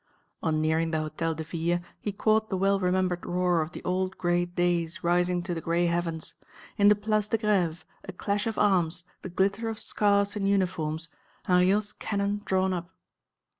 On nearing the Hôtel de Ville, he caught the well remembered roar of the old great days rising to the grey heavens. In the Place de Grève a clash of arms, the glitter of scarfs and uniforms, Hanriot's cannon drawn up.